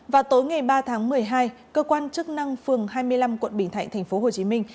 vào tối ngày ba tháng một mươi hai cơ quan chức năng phường hai mươi năm quận bình thạnh thành phố hồ chí minh